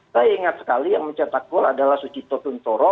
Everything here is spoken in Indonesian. saya ingat sekali yang mencetak gol adalah sucik totuntoro